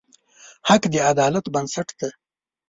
حق د عدالت بنسټ دی.